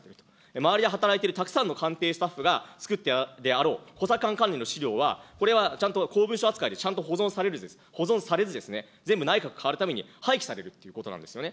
周りに働いているたくさんの官邸スタッフがつくったであろう補佐官管理の資料はこれはちゃんと公文書扱いで、ちゃんと保存されずですね、全部内閣かわるたびに廃棄されるということなんですよね。